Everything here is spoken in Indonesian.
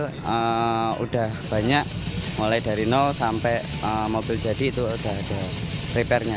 sudah banyak mulai dari nol sampai mobil jadi itu sudah ada repairnya